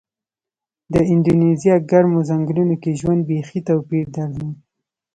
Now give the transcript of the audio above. د اندونیزیا ګرمو ځنګلونو کې ژوند بېخي توپیر درلود.